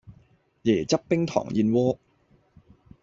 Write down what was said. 椰汁冰糖燕窩